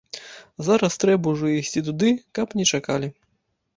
Зараз трэба ўжо ісці туды, каб не чакалі.